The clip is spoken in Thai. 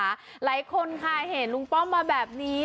หลายคนค่ะเห็นลุงป้อมมาแบบนี้